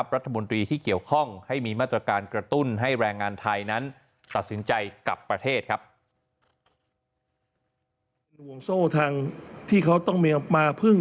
รัฐมนตรีที่เกี่ยวข้องให้มีมาตรการกระตุ้นให้แรงงานไทยนั้นตัดสินใจกลับประเทศครับ